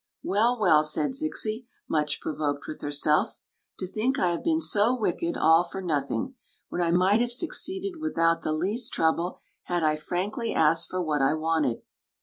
" Well, well !" said Zixi, much provoked with her self "To think I have been so wicked all for noth ing, when I might have succeeded without the least trouble had I frankly asked for what I wanted